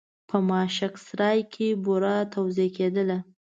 په ماشک سرای کې بوره توزېع کېدله.